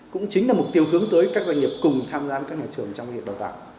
cũng chính là mục tiêu hướng tới các doanh nghiệp cùng tham gia các nhà trường trong việc đào tạo